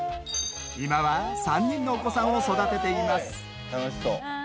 今は３人のお子さんを育てています。